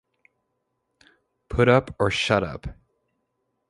Put up or shut up.